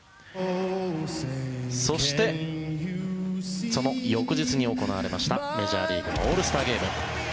そして、その翌日に行われましたメジャーリーグのオールスターゲーム。